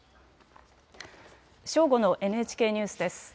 正午のＮＨＫニュースです。